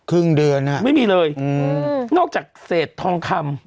ครึ่งเดือนฮะไม่มีเลยอืมนอกจากเศษทองคำ